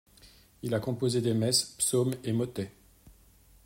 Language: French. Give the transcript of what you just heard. Il a composé des messes, psaumes et motets.